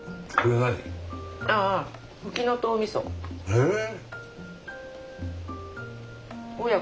へえ！